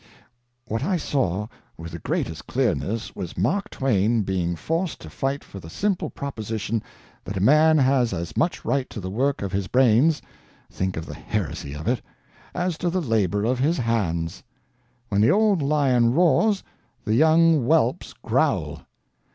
What I saw with the greatest clearness was Mark Twain being forced to fight for the simple proposition that a man has as much right to the work of his brains (think of the heresy of it!) as to the labour of his hands. When the old lion roars, the young whelps growl.